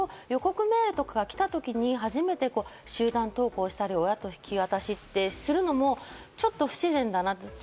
こういう予告メールとかが来た時に、初めて集団登校をしたり、親と引き渡しってするのもちょっと不自然だなって。